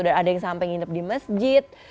dan ada yang sampe nginep di masjid